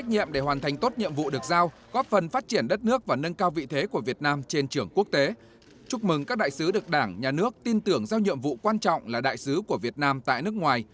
chúc mừng các đại sứ được đảng nhà nước tin tưởng giao nhiệm vụ quan trọng là đại sứ của việt nam tại nước ngoài